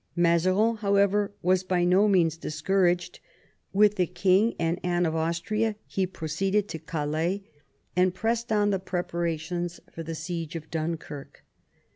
Mazarin, however, was by no means discouraged. With the king and Anne of Austria he pro ceeded to Calais, and pressed on the preparations for the 142 MAZARIN ohap. siege of Dunkirk.